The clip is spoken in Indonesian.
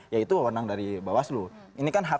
yaitu wawonan dari bawaslu ini kan hak